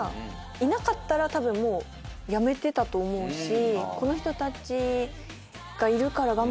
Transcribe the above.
いなかったらたぶんもう辞めてたと思うし。